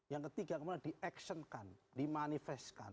yang ketiga kemudian diaksenkan dimanifestkan